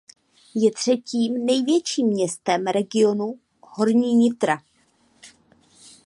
Je třetím největším městem regionu Horní Nitra.